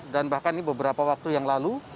dan bahkan ini beberapa waktu yang lalu